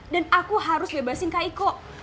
dan aku harus bebasin kak iko